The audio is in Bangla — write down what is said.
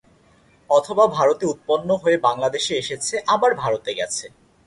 অথবা ভারতে উৎপন্ন হয়ে বাংলাদেশে এসেছে আবার ভারতে গেছে।